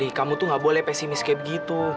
ria li kamu tuh gak boleh pesimis kayak begitu